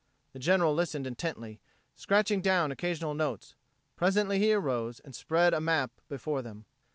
The General listened intently, scratching down occasional notes; presently he arose and spread a map before them.